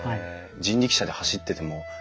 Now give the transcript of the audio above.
人力車で走っててもやっぱり。